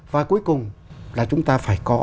và cuối cùng là chúng ta phải có